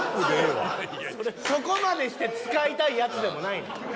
そこまでして使いたいやつでもない。